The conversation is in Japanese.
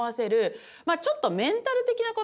まあちょっとメンタル的なこともあっ